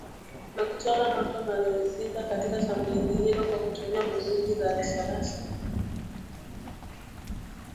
na kuchoma moto malori sita katika shambulizi hilo kwa kutumia bunduki za rashasha na kurejea katika vituo vyao bila kuumia